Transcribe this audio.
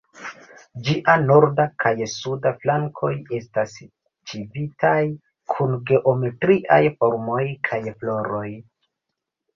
Ĝia norda kaj suda flankoj estas ĉizitaj kun geometriaj formoj kaj floroj.